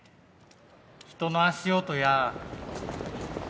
人の足音や。